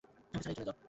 আমাকে ছাড়াই চলে যাও।